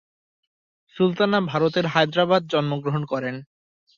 সুলতানা ভারতের হায়দ্রাবাদ জন্মগ্রহণ করেন।